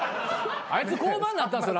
あいつ降板になったんですよ